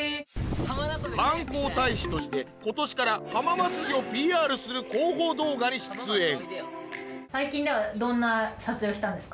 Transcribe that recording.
観光大使として今年から浜松市をＰＲする広報動画に出演楽しそう。